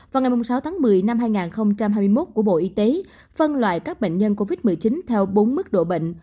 vào ngày sáu tháng một mươi năm hai nghìn hai mươi một của bộ y tế phân loại các bệnh nhân covid một mươi chín theo bốn mức độ bệnh